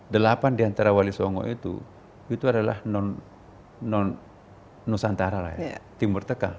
delapan diantara wali songo itu itu adalah non nusantara ya